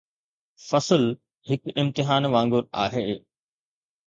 فصل هڪ امتحان وانگر آهي